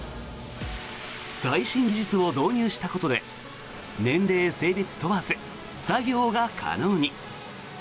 最新技術を導入したことで年齢性別問わず作業が可能に。